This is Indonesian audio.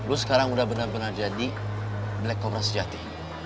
lo sekarang udah benar benar jadi black cobra sejati